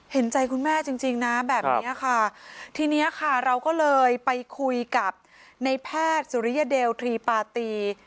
เห็นใจคุณแม่จริงจริงนะแบบนี้ค่ะทีนี้ค่ะเราก็เลยไปคุยกับในแพทย์สุริยเดลทรีปาตี